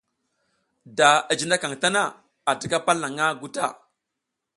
Da i jinakaƞ tana, a tika palnaƞʼha nguta.